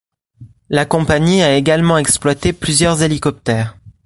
La compagnie a également exploité plusieurs hélicoptères.